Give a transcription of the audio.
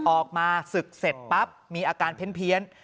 ออกมาศึกเสร็จปั๊บมีอาการเพี้ยน